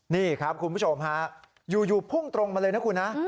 นี่ครับคุณผู้ชมฮะอยู่พุ่งตรงมาเลยนะคุณนะ